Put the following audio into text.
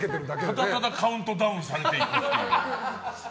ただただカウントダウンされていく。